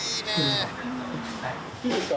いいですか？